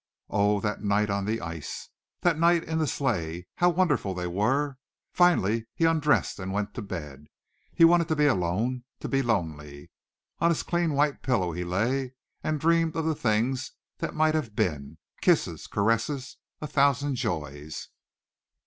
Oh, that night on the ice; that night in the sleigh! How wonderful they were! Finally he undressed and went to bed. He wanted to be alone to be lonely. On his clean white pillow he lay and dreamed of the things that might have been, kisses, caresses, a thousand joys.